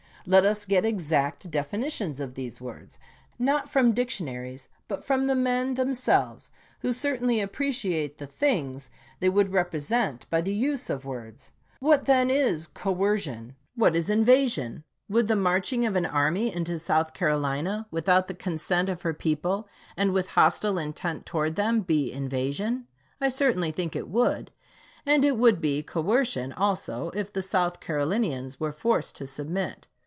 Let us get exact definitions of these words, not from dictionaries, but from the men themselves, who certainly appreciate the things they would represent by the use of words. What, then, is " Coercion "? What is " Invasion "? Would the marching of an army into South Carolina, without the consent of her people, and with hostile intent towards them, be " invasion"? I certainly think it would ; and it would be " coercion " also if the South Carolinians were forced to submit.